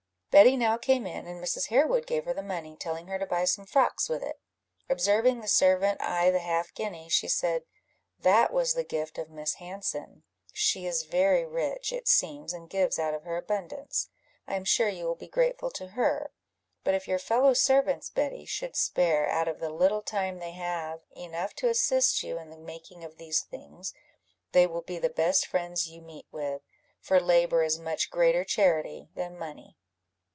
Betty now came in, and Mrs. Harewood gave her the money, telling her to buy some frocks with it. Observing the servant eye the half guinea, she said "That was the gift of Miss Hanson; she is very rich, it seems, and gives out of her abundance. I am sure you will be grateful to her; but if your fellow servants, Betty, should spare, out of the little time they have, enough to assist you in the making of these things, they will be the best friends you meet with; for labour is much greater charity than money."